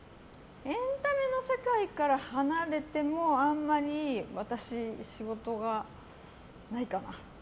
エンタメの世界から離れてもあんまり私、仕事がないかな。